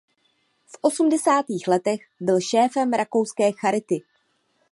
V osmdesátých letech byl šéfem rakouské Charity.